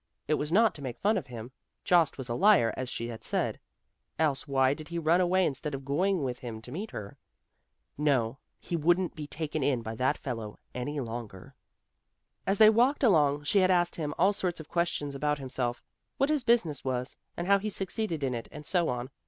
It was not to make fun of him, Jost was a liar as she had said; else why did he run away instead of going with him to meet her? No, he wouldn't be taken in by that fellow, any longer. As they walked along she had asked him all sorts of questions about himself; what his business was, and how he succeeded in it and so on.